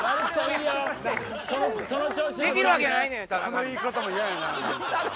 その言い方も嫌やな。